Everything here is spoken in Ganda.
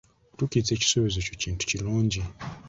Okutuukiriza ekisuubizo kyo kintu kirungi.